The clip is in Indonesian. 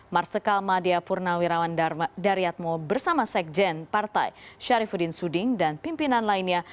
marsikal madia purnawirawan daryatmo bersama sekjen partai syarifudin suding dan pimpinan lainnya